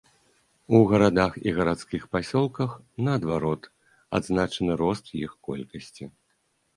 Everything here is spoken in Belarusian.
У гарадах і гарадскіх пасёлках, наадварот, адзначаны рост іх колькасці.